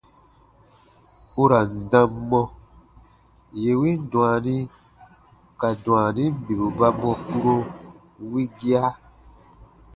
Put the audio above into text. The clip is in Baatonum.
U ra n dam mɔ : yè win dwaani ka dwaanin bibu ba mɔ kpuro wigia.